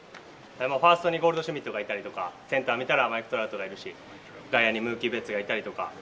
ファーストにゴールドシュミットがいたりとかセンター見たらマイク・トラウトがいたり外野にムーキー・ベッツがいたりとか。